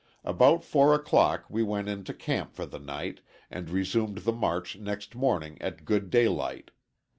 About 4 o'clock we went into camp for the night, and resumed the march next morning at good daylight.